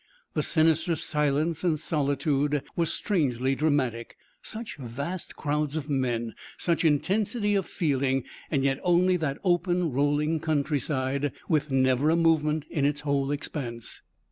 The sinister silence and solitude were strangely dramatic. Such vast crowds of men, such intensity of feeling, and yet only that open rolling countryside, with never a movement in its whole expanse.